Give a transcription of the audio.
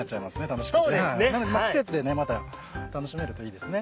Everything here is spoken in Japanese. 楽しくてなので季節でまた楽しめるといいですね。